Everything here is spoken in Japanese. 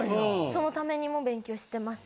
そのためにも勉強してます。